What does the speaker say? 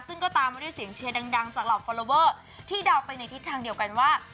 ซึ่งก็ตามมาด้วยเสียงเชียร์ดังจากเหล่าฟอลลอเวอร์ที่เดาไปในทิศทางเดียวกันว่า